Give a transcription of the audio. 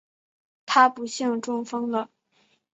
她不幸中风了